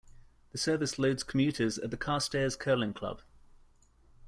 The service loads commuters at the Carstairs Curling Club.